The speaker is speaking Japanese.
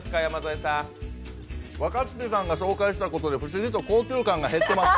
若槻さんが紹介したことで、不思議と高級感が減ってます。